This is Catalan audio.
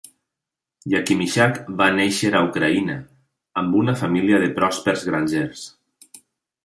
Yakimischak va néixer a Ucraïna, amb una família de pròspers grangers.